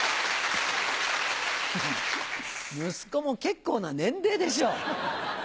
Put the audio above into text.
息子も結構な年齢でしょう！